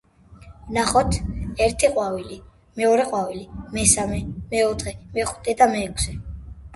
ვნახოთ: ერთი ყვავილი, მეორე ყვავილი, მესამე, მეოთხე, მეხუთე და მეექვსე.